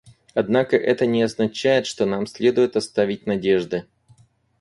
Однако это не означает, что нам следует оставить надежды.